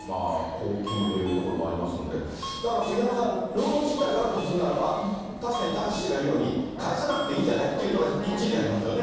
公金というところもありますので、だから杉山さん、労働実態があるとするならば、確かに貴志氏が言うように、返さなくていいじゃないというのは一理ありますよね。